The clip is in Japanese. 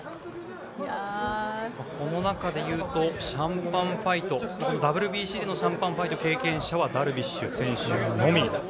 この中で言うと、ＷＢＣのシャンパンファイト経験者はダルビッシュ選手のみ。